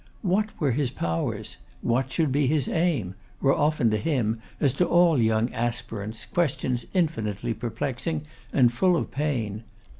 What were his powers? what should be his aim? were often to him, as to all young aspirants, questions infinitely perplexing and full of pain.